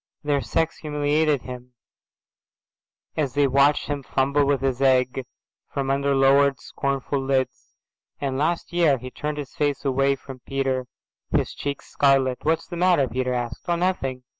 Their sex humiliated him, as they watched him fumble with his egg, from under lowered scornful lids. And last year Â… he turned his face away from Peter, his cheeks scarlet. "What's the matter?"' Peter asked. "Oh, nothing.